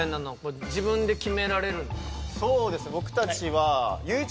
そうですね